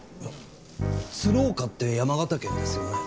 鶴岡って山形県ですよね？